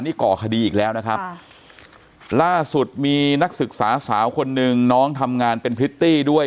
นี่ก่อคดีอีกแล้วนะครับค่ะล่าสุดมีนักศึกษาสาวคนหนึ่งน้องทำงานเป็นพริตตี้ด้วย